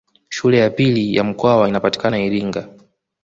Shule ya pili ya Mkwawa inapatikana Iringa